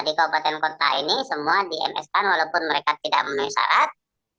di kabupaten kota ini semua di ms kan walaupun mereka tidak menuhi syarat